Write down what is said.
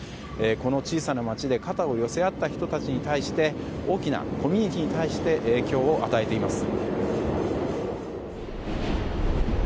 この小さな町で肩を寄せ合った人たちに対して大きなコミュニティーに対して影響を与えています。